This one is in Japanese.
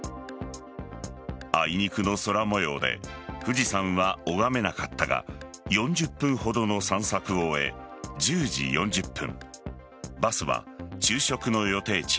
あいにくの空模様で富士山は拝めなかったが４０分ほどの散策を終え１０時４０分明日は昼食の予定地